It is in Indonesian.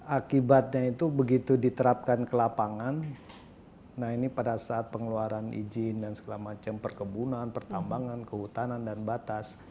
akibatnya itu begitu diterapkan ke lapangan nah ini pada saat pengeluaran izin dan segala macam perkebunan pertambangan kehutanan dan batas